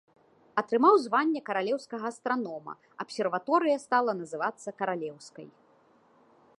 Атрымаў званне каралеўскага астранома, абсерваторыя стала называцца каралеўскай.